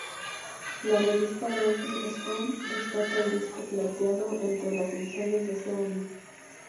La revista ¨Rolling Stone¨ destaca el disco plateado entre las ediciones de ese año.